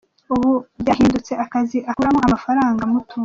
Ubu, byahindutse akazi akuramo amafaranga amutunga.